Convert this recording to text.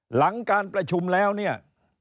หลังการประชุมแล้วเนี่ย